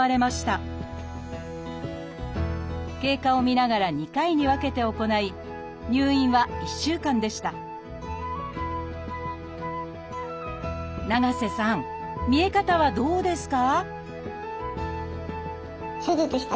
経過を見ながら２回に分けて行い入院は１週間でした長瀬さん見え方はどうですか？